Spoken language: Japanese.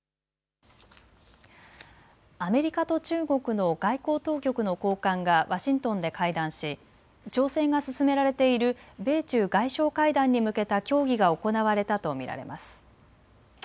アメリカと中国の外交当局の高官がワシントンで会談し調整が進められている米中外相会談に向けた協議が行われたと見られます。